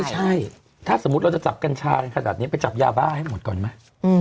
ใช่ถ้าสมมุติเราจะจับกัญชาขนาดนี้ไปจับยาบ้าให้หมดก่อนไหม